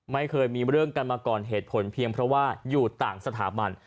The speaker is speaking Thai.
ไม่เคยมีเรื่องกันมาก่อนเหตุผลเพียงเพราะว่าอยู่ต่างสถาบัน